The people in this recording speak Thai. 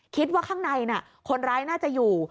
คิดว่าข้างในคนร้ายน่าจะอยู่